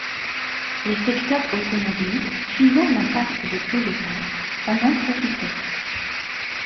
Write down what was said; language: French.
Les secteurs automobiles, suivant l'impact de Toyota, en ont profité.